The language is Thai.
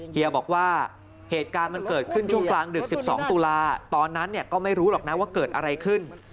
เฮียบอกว่าเหตุการณ์มันเกิดขึ้นช่วงกลางดึก๑๒ตุลาตอนนั้นก็ไม่รู้หรอกนะว่าเกิดอะไรขึ้น